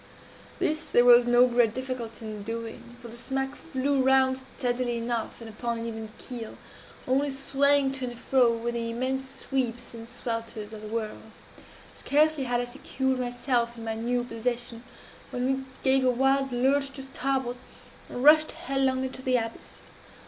This there was no great difficulty in doing; for the smack flew round steadily enough, and upon an even keel only swaying to and fro, with the immense sweeps and swelters of the whirl. Scarcely had I secured myself in my new position, when we gave a wild lurch to starboard, and rushed headlong into the abyss.